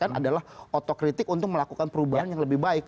yang adalah otokritik untuk melakukan perubahan yang lebih baik